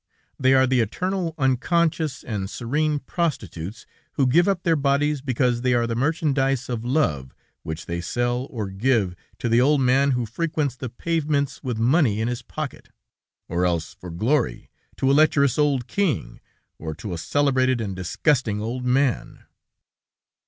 They are the eternal, unconscious, and serene prostitutes, who give up their bodies, because they are the merchandise of love, which they sell or give, to the old man who frequents the pavements with money in his pocket, or else for glory, to a lecherous old king, or to a celebrated and disgusting old man."